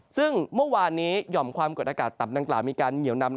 ซึ่งเมื่อวานนี้หย่อมความกดอากาศต่ำดังกล่าวมีการเหนียวนำ